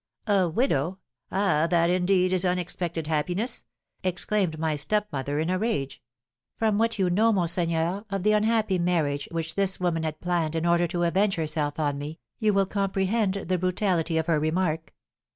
"'A widow! Ah, that, indeed, is unexpected happiness!' exclaimed my stepmother, in a rage. From what you know, monseigneur, of the unhappy marriage which this woman had planned in order to avenge herself on me, you will comprehend the brutality of her remark.